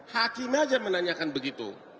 hakim aja menanyakan begitu